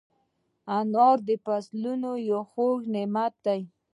انار د فصلونو یو خوږ نعمت دی.